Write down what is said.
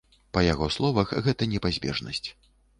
Па яго словах, гэта непазбежнасць.